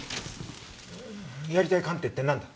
やりたい鑑定ってなんだ？